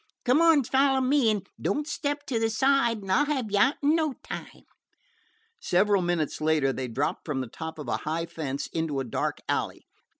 Come on an' follow me, an' don't step to the side, an' I 'll have you out in no time." Several minutes later they dropped from the top of a high fence into a dark alley.